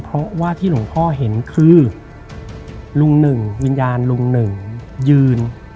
เพราะว่าที่หลวงพ่อเห็นคือลุงหนึ่งวิญญาณลุงหนึ่งยืน